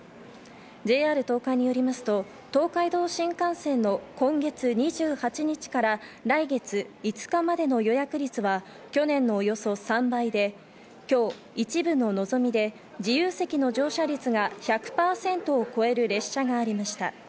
ＪＲ東海によりますと東海道新幹線の今月２８日から来月５日までの予約率は去年のおよそ３倍で、今日、一部ののぞみで自由席の乗車率が１００％を超える列車がありました。